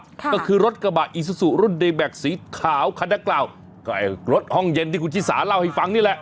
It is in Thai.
ก็คือรถกระบะอีซูซูรุ่นเดแก๊กสีขาวคันดังกล่าวก็ไอ้รถห้องเย็นที่คุณชิสาเล่าให้ฟังนี่แหละ